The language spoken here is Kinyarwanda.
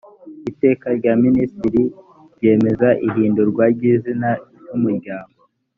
iteka rya minisitiri ryemeza ihindurwa ry izina ry umuryango